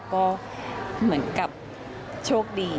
ก็เหมือนกับโชคดี